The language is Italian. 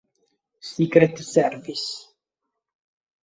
Secret Service